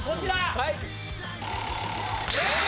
はい。